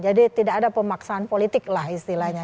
jadi tidak ada pemaksaan politik lah istilahnya